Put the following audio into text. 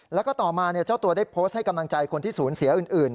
แล้วก็ต่อมาเจ้าตัวได้โพสต์ให้กำลังใจคนที่สูญเสียอื่น